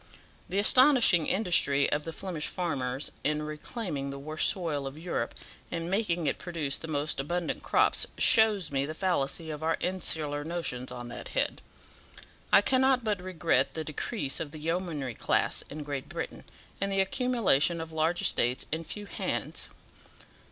The astonishing industry of the Flemish farmers in reclaiming the worst soil of Europe, and making it produce the most abundant crops, shows me the fallacy of our insular notions on that head. I cannot but regret the decrease of the yeomanry class in Great Britain, and the accumulation of large estates in few hands.